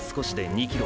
“２ｋｍ”